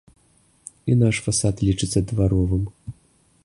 І наш фасад лічыцца дваровым.